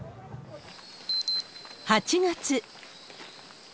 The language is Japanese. ８月。